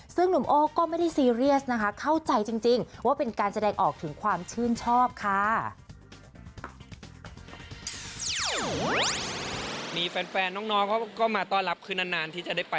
ซึ่งหนุ่มโอ้ก็ไม่ได้ซีเรียสนะคะเข้าใจจริงว่าเป็นการแสดงออกถึงความชื่นชอบค่ะ